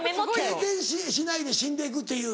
経験しないで死んでいくっていう。